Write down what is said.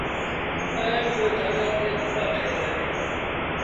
ائيٚݩ اُئي جآڳآ تي ڪٻآ ٺهيٚل اهيݩ